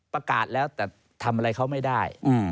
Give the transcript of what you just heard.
ประกาศแล้วแต่ทำอะไรเขาไม่ได้